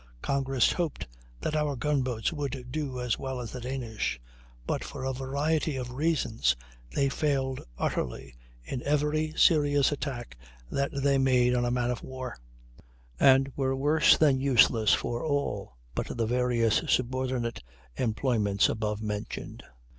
Congress hoped that our gun boats would do as well as the Danish; but for a variety of reasons they failed utterly in every serious attack that they made on a man of war, and were worse than useless for all but the various subordinate employments above mentioned.